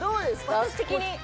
私的に？